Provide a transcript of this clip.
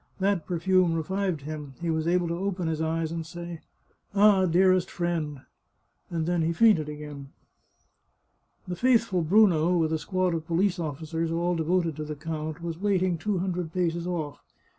That perfume revived him ; he was able to open his eyes and say " Ah, dearest friend !" and then he fainted again. The faithful Bruno, with a squad of police officers, all de voted to the count, was waiting two hundred paces off.